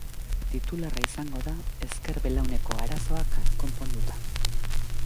Titularra izango da, ezker belauneko arazoak konponduta.